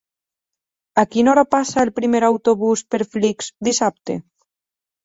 A quina hora passa el primer autobús per Flix dissabte?